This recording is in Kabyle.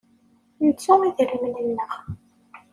Nettu idrimen-nneɣ.